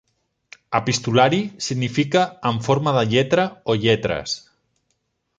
"Epistolari" significa "en forma de lletra o lletres".